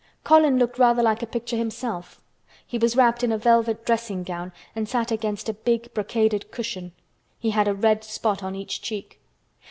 Colin looked rather like a picture himself. He was wrapped in a velvet dressing gown and sat against a big brocaded cushion. He had a red spot on each cheek.